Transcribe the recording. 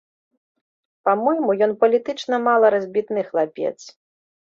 Па-мойму, ён палітычна мала разбітны хлапец.